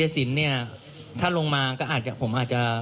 สินเนี่ยถ้าลงมาก็อาจจะผมอาจจะ